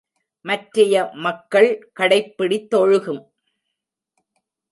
மற்றைய மக்கள் கடைப்பிடித்தொழுகும்.